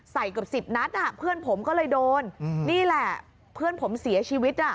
เกือบ๑๐นัดเพื่อนผมก็เลยโดนนี่แหละเพื่อนผมเสียชีวิตอ่ะ